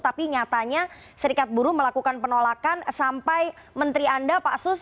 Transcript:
tapi nyatanya serikat buruh melakukan penolakan sampai menteri anda pak sus